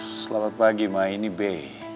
selamat pagi ma ini b